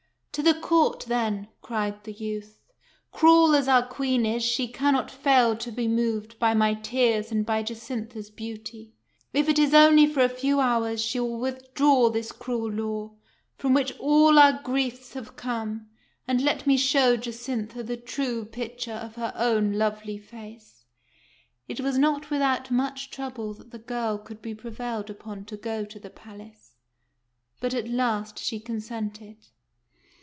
"To the court, then !" cried the youth. " Cruel as our Queen is, she cannot fail to be moved by my tears and by Jacintha's beauty. If it is only for a few hours, she will with draw this cruel law, from which all our griefs have come, and let me show Jacintha the true picture of her own lovely face." THE MIRROR 49 It was not without much trouble that the girl could be prevailed upon to go to the palace, but at last she consented.